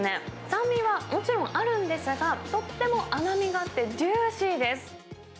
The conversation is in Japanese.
酸味はもちろんあるんですが、とっても甘みがあって、ジューシーです。